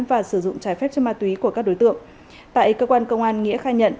và sử dụng trái phép chất ma túy của các đối tượng tại cơ quan công an nghĩa khai nhận